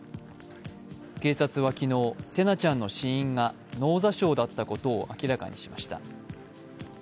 警察は昨日、成那ちゃんの死因が脳挫傷だったことを明らかにしました。